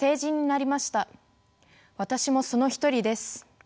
私もその一人です。